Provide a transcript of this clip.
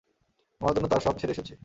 তোমার জন্য তার সব ছেড়ে এসেছি।